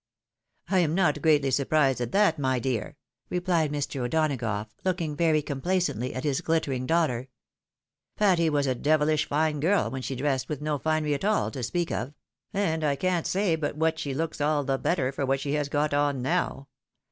" I am not greatly surprised at that, my dear !" rephed Mr. O'Donagough, looking very complacently at his ghttering daughter. " Patty was a devilish fine girl when she was dressed with no finery at all, to speak of ; and I can't say but what she looks all the better for what she has got on now.